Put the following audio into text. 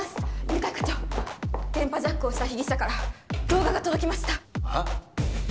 犬飼課長電波ジャックをした被疑者から動画が届きましたああ？